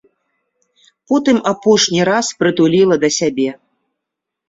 Потым апошні раз прытуліла да сябе.